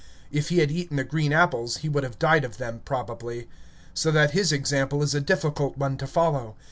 If he had eaten the green apples, he would have died of them, probably; so that his example is a difficult one to follow.